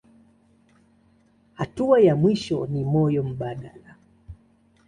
Hatua ya mwisho ni moyo mbadala.